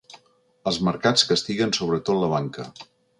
Els mercats castiguen sobretot la banca.